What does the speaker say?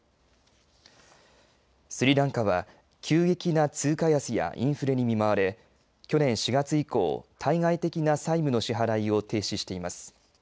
スリランカは急激な通貨安やインフレに見舞われ去年４月以降対外的な債務の支払いを停止しています。